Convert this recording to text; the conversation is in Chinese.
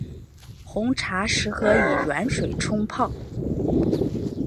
红茶适合以软水冲泡。